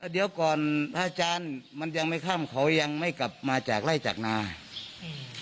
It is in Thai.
เดี๋ยวก่อนพระอาจารย์มันยังไม่ค่ำเขายังไม่กลับมาจากไล่จากนาอืม